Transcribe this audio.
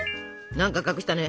何か隠したね？